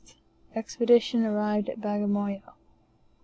Expedition arrived at Bagamoyo.